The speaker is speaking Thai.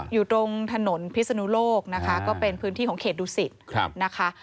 อยู่ตรงถนนพิศนุโลกนะคะก็เป็นพื้นที่ของเขตดูสิตนะคะ